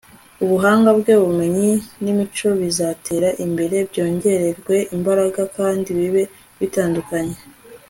ubuhanga bwe, ubumenyi, n'imico bizatera imbere byongererwe imbaraga kandi bibe bitunganye